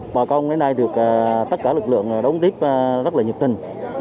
bà con đến nay được tất cả lực lượng đóng tiếp rất là nhiệt tình